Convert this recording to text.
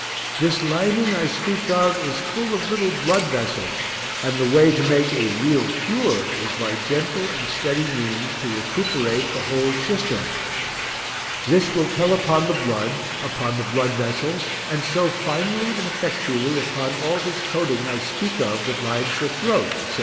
This lining I speak of is full of little blood vessels, and the way to make a real cure is by gentle and steady means to recuperate the whole system; this will tell upon the blood, upon the blood vessels, and so finally and effectually upon all this coating I speak of that lines the throat, etc.